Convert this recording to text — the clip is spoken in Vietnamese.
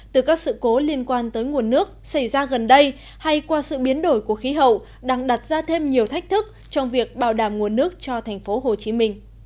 từ các sự cố liên quan tới nguồn nước xảy ra gần đây hay qua sự biến đổi của khí hậu đang đặt ra thêm nhiều thách thức trong việc bảo đảm nguồn nước cho tp hcm